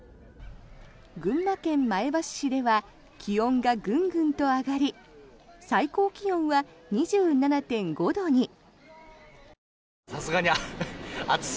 群馬県前橋市では気温がグングンと上がり最高気温は２７．５度に。